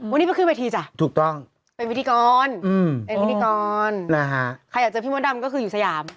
วันนี้ไปขึ้นเวทีจ้ะถูกต้องเป็นพิธีกรเป็นพิธีกรใครอยากเจอพี่มดดำก็คืออยู่สยาม